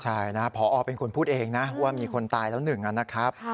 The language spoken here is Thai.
ใช่นะพอเป็นคนพูดเองนะว่ามีคนตายแล้วหนึ่งนะครับ